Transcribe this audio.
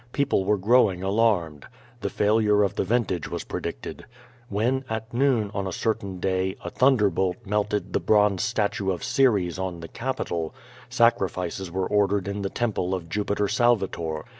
People were grow ing alarmed. The failure of the vintage was predicted. Allien, at noon, on a certain day, a thunderbolt melted the bronze statue of Ceres on the Capitol, sacrifices were ordered in the temple of Jupiter Salvator.